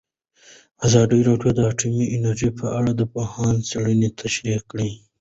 ازادي راډیو د اټومي انرژي په اړه د پوهانو څېړنې تشریح کړې.